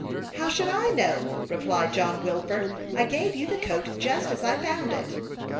" How should I know ?" replied John Wilford. " I gave you the coat just as I found it."